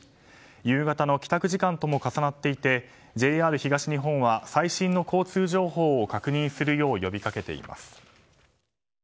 夕方の帰宅時間とも重なっていてＪＲ東日本は最新の交通情報を確認するよう呼びかけています。